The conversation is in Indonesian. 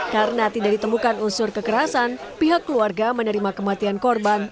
karena tidak ditemukan unsur kekerasan pihak keluarga menerima kematian korban